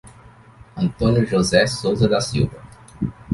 Antônio José Souza da Silva